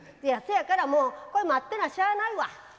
そやからもうこれ待ってなしゃあないわ。